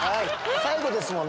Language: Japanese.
最後ですもんね。